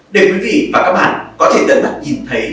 để quý vị và các bạn có thể tận mặt nhìn thấy